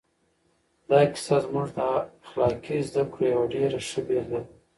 دا کیسه زموږ د اخلاقي زده کړو یوه ډېره ښه بېلګه ده.